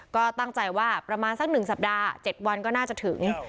ก็ตั้งใจว่าประมาณสัก๑สัปดาห์๗วันก็น่าจะถึง